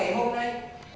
tới ngày hôm nay